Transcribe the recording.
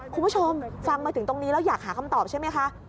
คุณผู้ชมฟังมาถึงตรงนี้แล้วอยากหาคำตอบใช่ไหมคะ